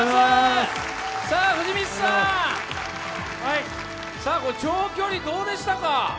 藤光さん、長距離どうでしたか？